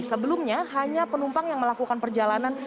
sebelumnya hanya penumpang yang melakukan perjalanan